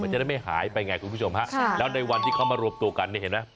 จะได้ไม่หายไปไงคุณผู้ชมฮะแล้วในวันที่เขามารวมตัวกันเนี่ยเห็นไหม